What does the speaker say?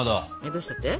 どうしたって？